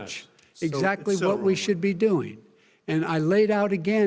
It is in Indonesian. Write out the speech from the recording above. selain itu apa yang dia lakukan